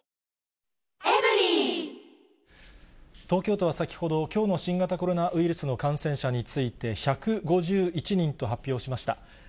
東京都は先ほど、きょうの新型コロナウイルスの感染者について１５１人と発表しました。